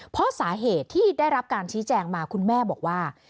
เพราะสาเหตุที่ได้รับการชี้แจงมาคุณแม่บอกว่า